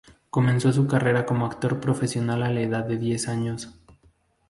Comenzó su carrera como actor profesional a la edad de diez años.